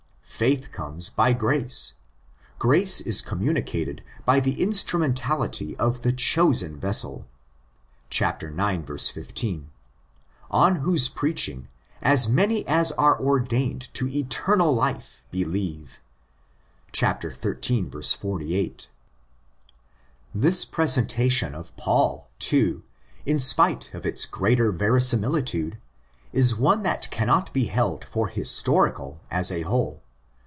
Faith comes '' by grace."" Grace is communi cated by the instrumentality of the '"' chosen vessel "' (σκεῦος ἐκλογῆς, ix. 15), on whose preaching as many as are ordained to eternal life believe (xiii. 48). | This presentation of Paul, too, in spite of its greater verisimilitude, is one that cannot be held for historical asawhole.